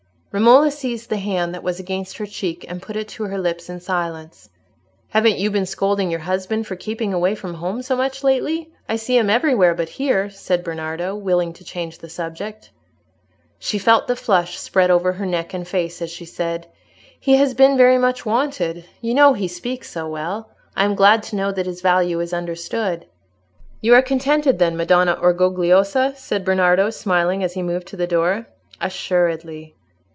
Romola seized the hand that was against her cheek, and put it to her lips in silence. "Haven't you been scolding your husband for keeping away from home so much lately? I see him everywhere but here," said Bernardo, willing to change the subject. She felt the flush spread over her neck and face as she said, "He has been very much wanted; you know he speaks so well. I am glad to know that his value is understood." "You are contented then, Madonna Orgogliosa?" said Bernardo, smiling, as he moved to the door. "Assuredly."